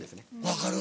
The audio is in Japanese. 分かる。